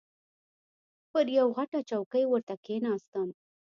پر یوې غټه چوکۍ ورته کښېناستم.